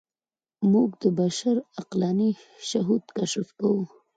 موږ د بشر عقلاني شهود کشف کوو.